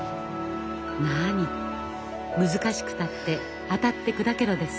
なに難しくたって「当たって砕けろ」です。